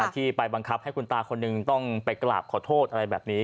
ที่ไปบังคับให้คุณตาคนหนึ่งต้องไปกราบขอโทษอะไรแบบนี้